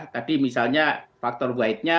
tadi misalnya faktor widenya